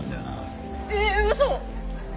えっ嘘！？